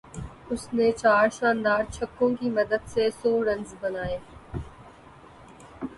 اس نے چار شاندار چھکوں کی مدد سے سو رنز بنائے